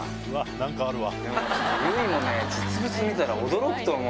何かあるわ。